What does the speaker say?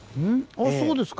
あそうですか。